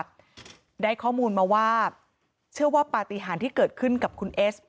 ได้ข้อมูลมาว่าเชื่อว่าปฏิหารที่เกิดขึ้นกับคุณเอส